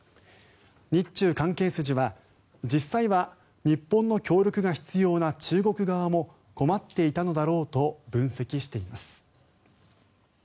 日中関係筋は、実際は日本の協力が必要な中国側も困っていたのだろうと分析しています。